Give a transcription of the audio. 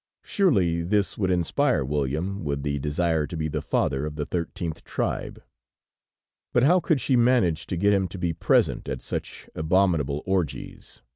"Surely this would inspire William with the desire to be the father of the thirteenth tribe!" But how could she manage to get him to be present at such abominable orgies?